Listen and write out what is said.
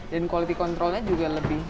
dan quality controlnya juga lebih